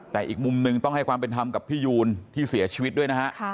แต่อีกมุมหนึ่งต้องให้ความเป็นธรรมกับพี่ยูนที่เสียชีวิตด้วยนะฮะ